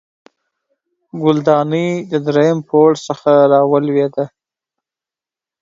ګلدانۍ د دریم پوړ څخه راولوېده